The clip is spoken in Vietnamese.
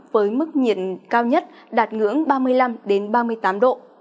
với mức nhiệt cao nhất đạt ngưỡng ba mươi năm ba mươi tám độ